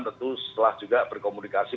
tentu setelah juga berkomunikasi